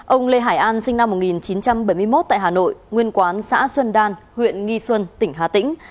ông lê hải an sinh năm một nghìn chín trăm bảy mươi một tại hà nội nguyên quán xã xuân đan huyện nghi xuân tỉnh hà tĩnh